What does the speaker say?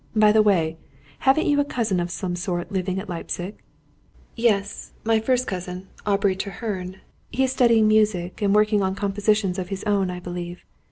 By the way, haven't you a cousin of some sort living at Leipzig?" "Yes; my first cousin, Aubrey Treherne. He is studying music, and working on compositions of his own, I believe.